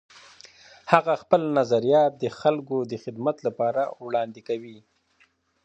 هغه خپل نظریات د خلګو د خدمت لپاره وړاندې کوي.